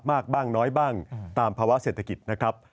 บ้างบ้างน้อยบ้างตามภาวะเศรษฐกิจนะครับ